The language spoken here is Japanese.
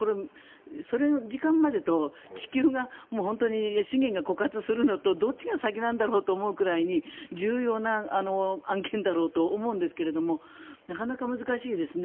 その時間と地球が、資源が枯渇するのとどっちが先なんだろうと思うくらいに重要な案件だろうと思うんですがなかなか難しいですね。